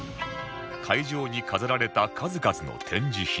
会場に飾られた数々の展示品